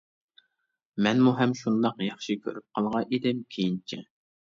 مەنمۇ ھەم شۇنداق ياخشى كۆرۈپ قالغان ئىدىم كېيىنچە.